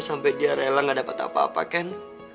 sampai dia rela gak dapat apa apa kan